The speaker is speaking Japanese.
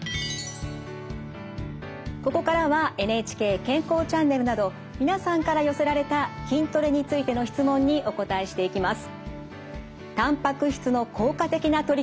ここからは「ＮＨＫ健康チャンネル」など皆さんから寄せられた筋トレについての質問にお答えしていきます。